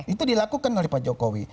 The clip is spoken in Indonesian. itu dilakukan oleh pak jokowi